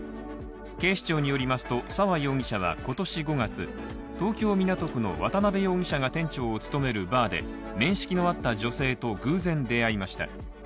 警視庁によりますと沢容疑者は今年５月、東京・港区の渡辺容疑者が店長を務めるバーで面識のあった女性と偶然出会いました。